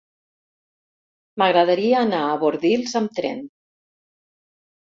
M'agradaria anar a Bordils amb tren.